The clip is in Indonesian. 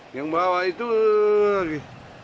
yang bawah itu lagi